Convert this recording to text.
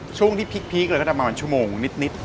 ช่วงที่พลิกเลยก็ทำมาประมาณชั่วโมงนิด